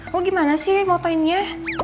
kok gimana sih motoinnya